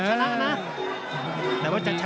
มันต้องอย่างงี้มันต้องอย่างงี้